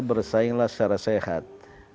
bersainglah secara sehat